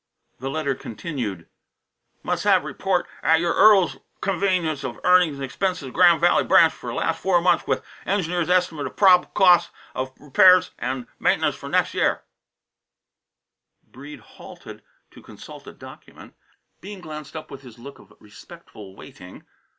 The letter continued: " mus' have report at your earl's' convenience of earnings and expenses of Grand Valley branch for las' four months with engineer's est'mate of prob'le cost of repairs and maintenance for nex' year " Breede halted to consult a document. Bean glanced up with his look of respectful waiting.